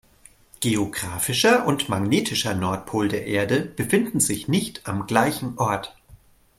Geographischer und magnetischer Nordpol der Erde befinden sich nicht am gleichen Ort.